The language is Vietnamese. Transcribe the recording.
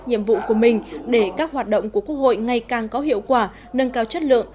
nhiệm vụ của mình để các hoạt động của quốc hội ngày càng có hiệu quả nâng cao chất lượng